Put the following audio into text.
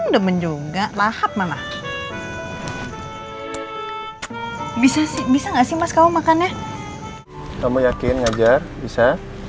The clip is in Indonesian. demen juga lahap malah bisa sih bisa nggak sih mas kamu makannya kamu yakin ngajar bisa